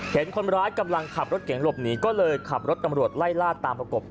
เห็นคนร้ายกำลังขับรถเก่งหลบหนีก็เลยขับรถตำรวจไล่ล่าตามประกบ